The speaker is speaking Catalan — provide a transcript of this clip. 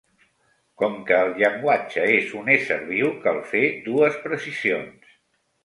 Com que el llenguatge és un ésser viu, cal fer dues precisions.